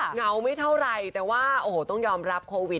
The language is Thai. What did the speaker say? เหงาไม่เท่าไหร่แต่ว่าโอ้โหต้องยอมรับโควิด